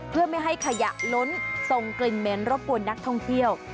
เพื่อไม่ให้ขยะล้นส่งกลิ่นเหม็นรบกวนนักท่องเที่ยว